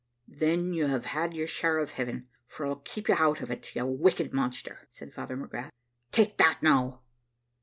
"`Then you have had your share of heaven; for I'll keep you out of it, you wicked monster!' said Father McGrath `take that now.'